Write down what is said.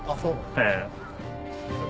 ええ。